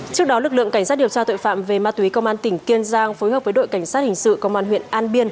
trước đó lực lượng cảnh sát điều tra tội phạm về ma túy công an tỉnh kiên giang phối hợp với đội cảnh sát hình sự công an huyện an biên